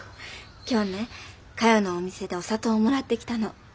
今日ねかよのお店でお砂糖をもらってきたの。